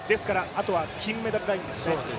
あとは金メダルラインですね。